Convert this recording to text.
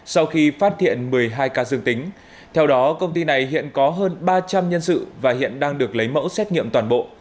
sau khi phát hiện một mươi hai ca dương tính theo đó công ty này hiện có hơn ba trăm linh nhân sự và hiện đang được lấy mẫu xét nghiệm toàn bộ